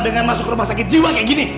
dengan masuk rumah sakit jiwa kayak gini